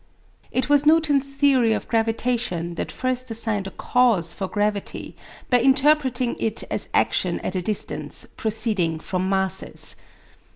It was Newton's theory of gravitation that first assigned a cause for gravity by interpreting it as action at a distance, proceeding from masses.